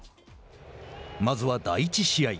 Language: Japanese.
まずは第１試合。